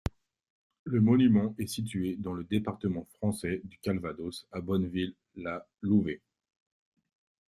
Le monument est situé dans le département français du Calvados, à Bonneville-la-Louvet.